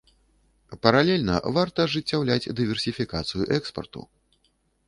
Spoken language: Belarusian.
Паралельна варта ажыццяўляць дыверсіфікацыю экспарту.